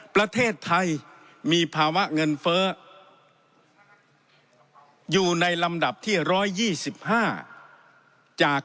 ประเทศไทยมีภาวะเงินเฟ้ออยู่ในลำดับที่ร้อยยี่สิบห้า